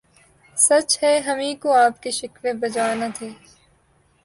سچ ہے ہمیں کو آپ کے شکوے بجا نہ تھے